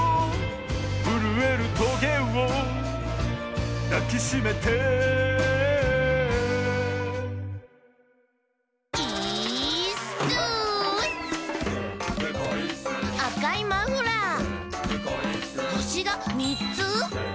「ふるえるトゲをだきしめて」「イーッス」「あかいマフラー」「ほしがみっつ！」